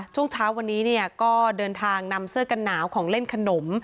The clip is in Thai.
ช่วงเช้าวันนี้เนี่ยก็เดินทางนำเสื้อกันหนาวของเล่นขนม